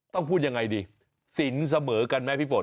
พูดยังไงดีสินเสมอกันไหมพี่ฝน